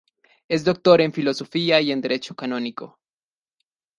Es doctor en filosofía y en Derecho canónico.